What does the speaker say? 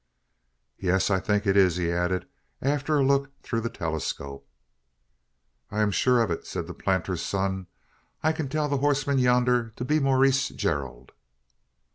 "Yes, I think it is," he added, after a look through the telescope. "I am sure of it," said the planter's son. "I can tell the horseman yonder to be Maurice Gerald."